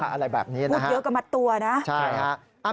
อะไรแบบนี้นะครับพูดเยอะกว่ามัดตัวนะ